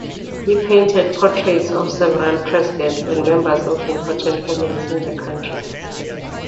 He painted portraits of several presidents and members of important families in the country.